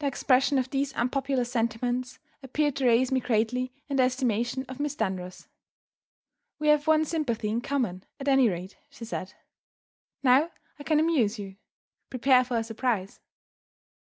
The expression of these unpopular sentiments appeared to raise me greatly in the estimation of Miss Dunross. "We have one sympathy in common, at any rate," she said. "Now I can amuse you! Prepare for a surprise."